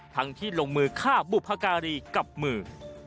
ทั้งที่ลงมือฆ่าบุพการีกับมือ